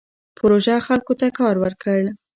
پروژه خلکو ته کار ورکړ.